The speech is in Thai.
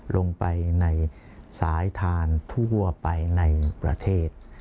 ลงไปในสายทานทั่วไปในประเทศ